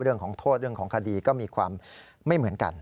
เรื่องของโทษเรื่องของคดีก็มีความไม่เหมือนกัน